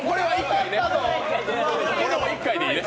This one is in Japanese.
これはもう１回でいいね。